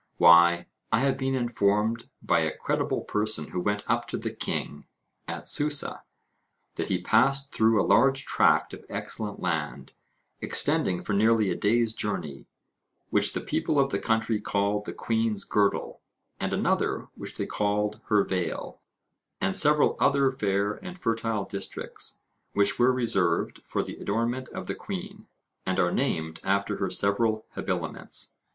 Why, I have been informed by a credible person who went up to the king (at Susa), that he passed through a large tract of excellent land, extending for nearly a day's journey, which the people of the country called the queen's girdle, and another, which they called her veil; and several other fair and fertile districts, which were reserved for the adornment of the queen, and are named after her several habiliments.